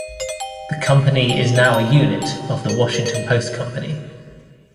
The company is now a unit of The Washington Post Company.